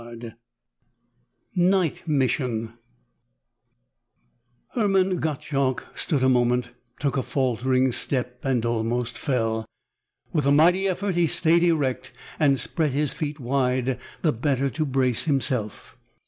4: NIGHT MISSION Hermann Gottschalk stood a moment, took a faltering step and almost fell. With a mighty effort, he stayed erect and spread his feet wide, the better to brace himself.